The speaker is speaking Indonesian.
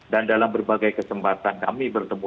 dan dalam berbagai kesempatan kami bertemu